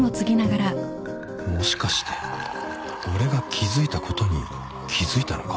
もしかして俺が気付いたことに気付いたのか？